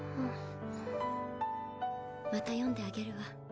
また読んであげるわ。